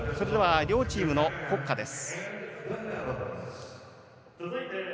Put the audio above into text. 両チームの国歌です。